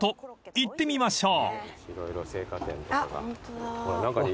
行ってみましょう。